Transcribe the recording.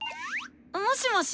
もしもし？